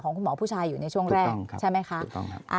คุณหมอผู้ชายอยู่ในช่วงแรกใช่ไหมคะ